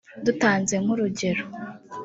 Dutanze nk'urugero